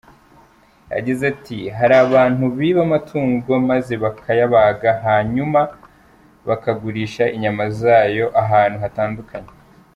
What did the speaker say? Yagize ati :"Hari abantu biba amatungo maze bakayabaga, hanyuma bakagurisha inyama zayo ahantu hatandukanye.